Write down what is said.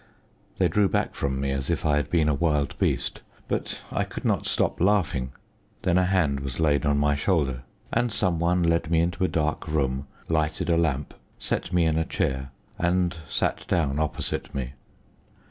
They drew back from me as if I had been a wild beast, but I could not stop laughing. Then a hand was laid on my shoulder, and some one led me into a dark room, lighted a lamp, set me in a chair, and sat down opposite me.